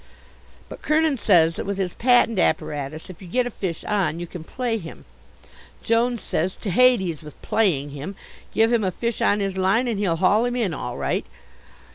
But Kernin says that with his patent apparatus if you get a fish on you can play him. Jones says to Hades with playing him: give him a fish on his line and he'll haul him in all right.